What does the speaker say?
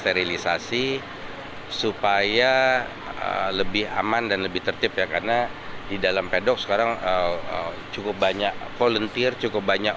dari bagian depan dari kawasan yang terlihat di bawah ini akan disediakan dengan berat dan berat yang tidak terlalu banyak